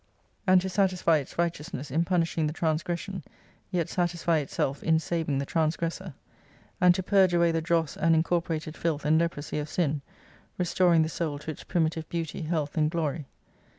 and to satisfy its righteousness in punishing the trans gression, yet satisfy itself in saving the transgressor : And to purge away the dross and incorporated filth and leprosy of sin : restoring the Soul to its primitive beauty, health, and glory.